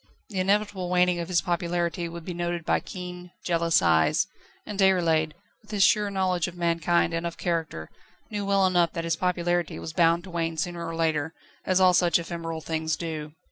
The inevitable waning of his popularity would be noted by keen, jealous eyes; and Déroulède, with his sure knowledge of mankind and of character, knew well enough that his popularity was bound to wane sooner or later, as all such ephemeral things do.